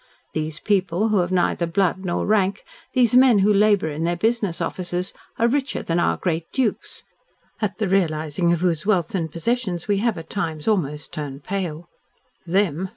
These people who have neither blood nor rank, these men who labour in their business offices, are richer than our great dukes, at the realising of whose wealth and possessions we have at times almost turned pale. "Them!"